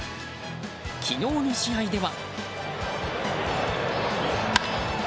昨日の試合では。